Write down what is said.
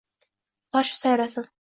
Toshib sayrasin